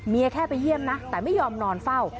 แค่ไปเยี่ยมนะแต่ไม่ยอมนอนเฝ้า